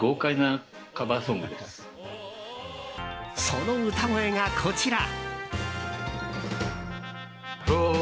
その歌声がこちら。